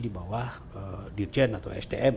di bawah dirjen atau sdm